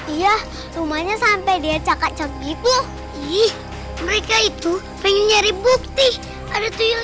iya rumahnya sampai dia cakap cakap gitu ih mereka itu pengen nyari bukti ada tuyul